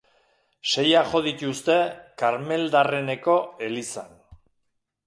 Seiak jo dituzte Karmeldarreneko elizan.